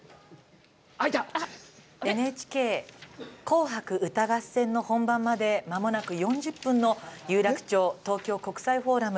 「ＮＨＫ紅白歌合戦」の本番までまもなく４０分の有楽町、東京国際フォーラム。